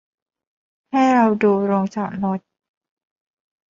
ให้เราดูโรงจอดรถ